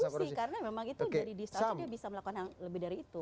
iya berkontribusi karena memang itu dari disal itu dia bisa melakukan yang lebih dari itu